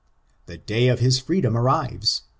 The day of his freedom arrives!